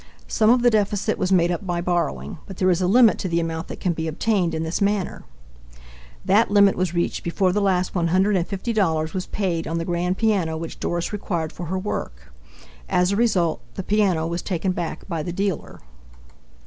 Some of the deficit was made up by borrowing, but there is a limit to the amount that can be obtained in this manner. That limit was reached before the last $150 was paid on the grand piano which Doris required for her work. As a result, the piano was taken back by the dealer.